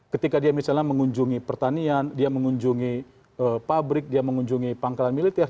ketika dia misalnya mengunjungi pertanian dia mengunjungi pabrik dia mengunjungi pangkalan militer